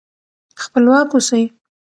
خپلواک اوسئ.